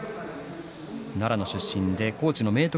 奈良県出身で高知の明徳